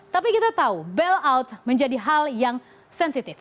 tapi kita tahu bailout menjadi hal yang sensitif